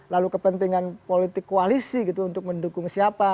lalu kepentingan politik koalisi gitu untuk mendukung siapa